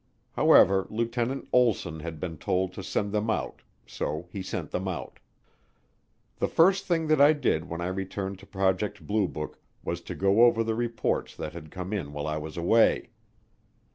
However, Lieutenant Olsson had been told to send them out, so he sent them out. The first thing that I did when I returned to Project Blue Book was to go over the reports that had come in while I was away.